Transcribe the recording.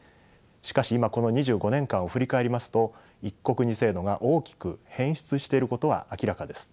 しかし今この２５年間を振り返りますと「一国二制度」が大きく変質していることは明らかです。